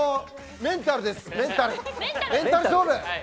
メンタル勝負。